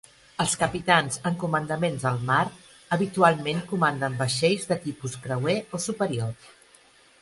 Els capitans amb comandaments al mar habitualment comanden vaixells de tipus creuer o superior.